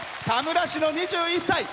田村市の２１歳。